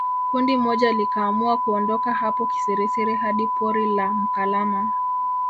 Kundi moja likaamua kuondoka hapo Kisiriri hadi pori la Mkalama